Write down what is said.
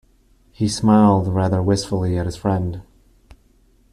He smiled rather wistfully at his friend.